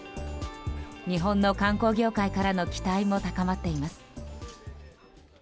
日本の観光業界からの期待も高まっています。